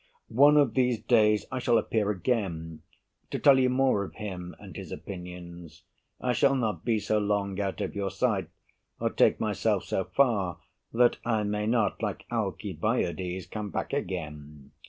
One of these days I shall appear again, To tell you more of him and his opinions; I shall not be so long out of your sight, Or take myself so far, that I may not, Like Alcibiades, come back again.